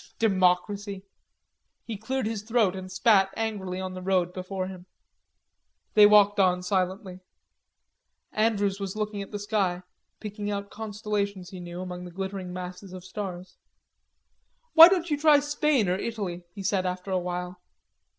Democracy!" He cleared his throat and spat angrily on the road before him. They walked on silently. Andrews was looking at the sky, picking out constellations he knew among the glittering masses of stars. "Why don't you try Spain or Italy?" he said after a while.